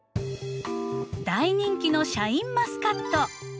大人気のシャインマスカット。